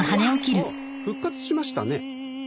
あっ復活しましたね。